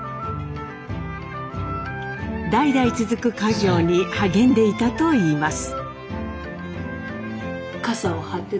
代々続く家業に励んでいたといいます。